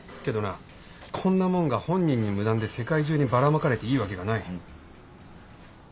けどなこんな物が本人に無断で世界中にばらまかれていいわけがない。